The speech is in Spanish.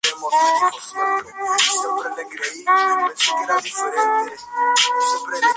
Externamente se presenta con una fachada a dos aguas hecha de ladrillo.